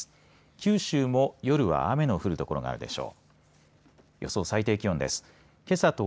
九州も夜は雨の降る所があるでしょう。